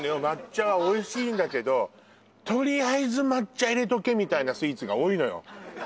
抹茶はおいしいんだけどとりあえず抹茶入れとけみたいなスイーツが多いのよ